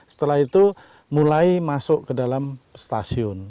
setelah itu mulai masuk ke dalam stasiun